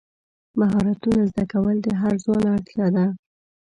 مهارتونه زده کول د هر ځوان اړتیا ده.